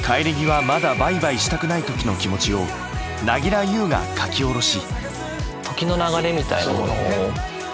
まだバイバイしたくない時の気持ちを凪良ゆうが書き下ろし。